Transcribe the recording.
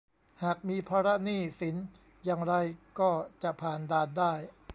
หากมีภาระหนี้สินอย่างไรก็จะผ่านด่านได้